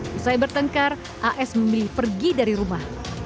setelah bertengkar as memilih pergi dari rumah